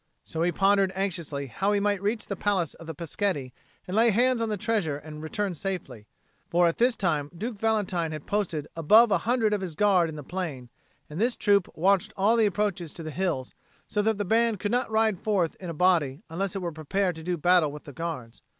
So he pondered anxiously how he might reach the palace of the Peschetti and lay hands on the treasure and return safely; for at this time Duke Valentine had posted above a hundred of his Guard in the plain, and this troop watched all the approaches to the hills so that the band could not ride forth in a body unless it were prepared to do battle with the guards.